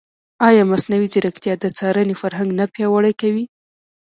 ایا مصنوعي ځیرکتیا د څارنې فرهنګ نه پیاوړی کوي؟